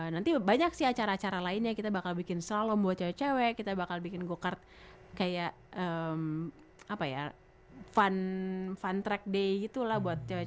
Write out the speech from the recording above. nanti banyak sih acara acara lainnya kita bakal bikin slalom buat cewek cewek kita bakal bikin go kart kayak apa ya fun track day gitu lah buat cewek cewek